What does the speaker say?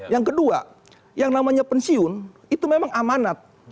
yang kedua yang namanya pensiun itu memang amanat